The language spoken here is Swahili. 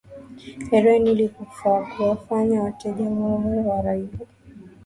heroini ili kuwafanya wateja wao wawe waraibu